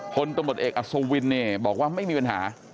พนตเอกอสวินบอกว่าไม่มีปัญหา